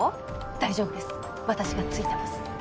大丈夫です私がついてます。